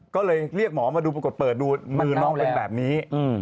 ก็เลยเรียกหมอมาดูปรากฏเปิดดูมือน้องเป็นแบบนี้